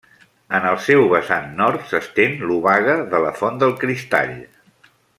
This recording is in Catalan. En el seu vessant nord s'estén l'Obaga de la Font del Cristall.